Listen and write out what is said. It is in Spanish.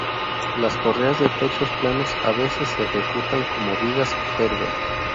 Las correas de techos planos a veces se ejecutan como vigas Gerber.